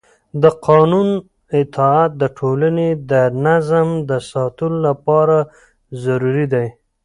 د قانون اطاعت د ټولنې د نظم د ساتلو لپاره ضروري دی